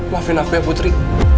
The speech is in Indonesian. maafin aku ya putri